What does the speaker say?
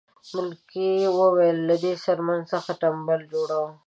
ملکې وویل له دې څرمنې نه تمبل جوړوو.